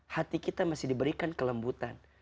hati kita masih diberikan kelembutan